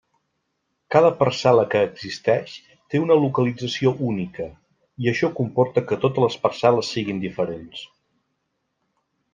Cada parcel·la que existeix té una localització única i això comporta que totes les parcel·les siguen diferents.